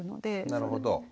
なるほど。